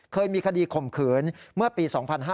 เคยมีคดีข่มขืนเมื่อปี๒๕๕๙